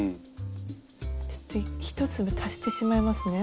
ちょっと１粒足してしまいますね。